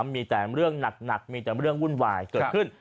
มีแต่เรื่องหนักมีแต่เรื่องวุ่นวายเกิดขึ้น